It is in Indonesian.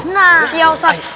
nah ya ustaz